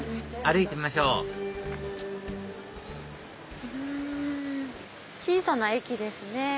歩いてみましょう小さな駅ですね！